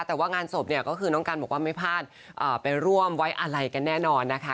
แต่ว่างานศพเนี่ยก็คือน้องกันบอกว่าไม่พลาดไปร่วมไว้อะไรกันแน่นอนนะคะ